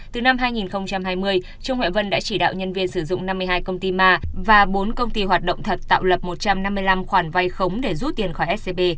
từ năm hai nghìn hai mươi trương huệ vân đã chỉ đạo nhân viên sử dụng năm mươi hai công ty ma và bốn công ty hoạt động thật tạo lập một trăm năm mươi năm khoản vay khống để rút tiền khỏi scb